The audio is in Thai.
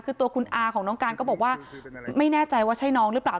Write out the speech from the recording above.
คือตัวคุณอาของน้องการก็บอกว่าไม่แน่ใจว่าใช่น้องหรือเปล่า